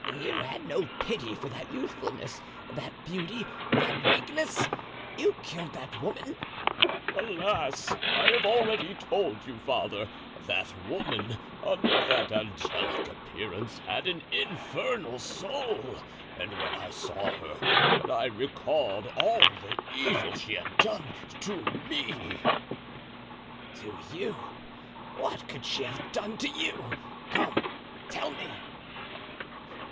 You had no pity for that youthfulness, that beauty, that weakness? you killed that woman?" "Alas! I have already told you, father, that woman, under that angelic appearance, had an infernal soul, and when I saw her, when I recalled all the evil she had done to me——" "To you? What could she have done to you? Come, tell me!"